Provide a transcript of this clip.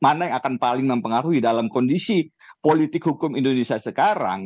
mana yang akan paling mempengaruhi dalam kondisi politik hukum indonesia sekarang